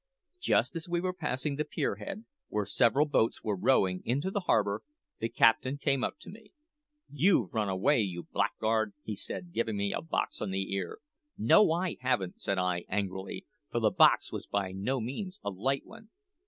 Just as we were passing the pier head, where several boats were rowing into the harbour, the captain came up to me. "`You've run away, you blackguard!' he said, giving me a box on the ear. "`No, I haven't!' said I angrily, for the box was by no means a light one.